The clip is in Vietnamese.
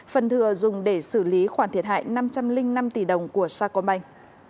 phần thừa dùng để xử lý khoản thiệt hại năm trăm linh năm tỷ đồng của sacombank